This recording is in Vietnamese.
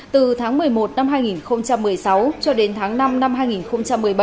từ tháng một mươi một năm hai nghìn một mươi sáu cho đến tháng năm năm hai nghìn một mươi bảy